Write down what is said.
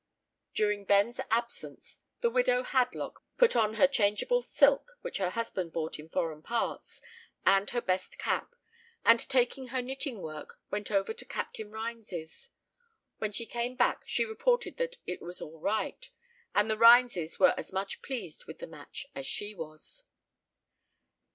During Ben's absence, the widow Hadlock put on her changeable silk, which her husband bought in foreign parts, and her best cap, and taking her knitting work, went over to Captain Rhines's. When she came back, she reported that it was all right, and the Rhineses were as much pleased with the match as she was.